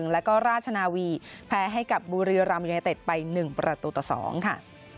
แล้วก็ราชนาวีแพ้ให้กับบุรีรัมยูเนเต็ดไป๑ประตูต่อ๒ค่ะ